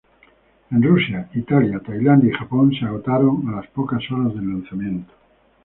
En Rusia, Italia, Tailandia y Japón se agotaron a las pocas horas de lanzamiento.